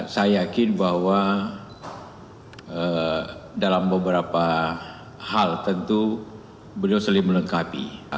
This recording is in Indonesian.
saya yakin bahwa dalam beberapa hal tentu beliau saling melengkapi